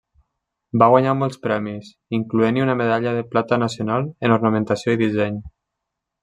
Va guanyar molts premis, incloent-hi una Medalla de plata nacional en ornamentació i disseny.